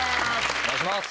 お願いします。